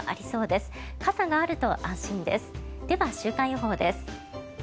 では、週間予報です。